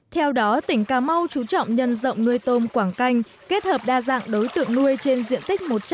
theo đó tỉnh cà mau chú trọng nhân rộng nuôi tôm quảng canh kết hợp đa dạng đối tượng nuôi trên diện tích một trăm linh